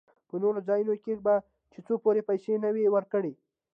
په نورو ځايو کښې به چې څو پورې پيسې يې نه وې ورکړې.